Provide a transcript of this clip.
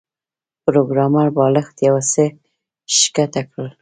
پروګرامر بالښت یو څه ښکته کړ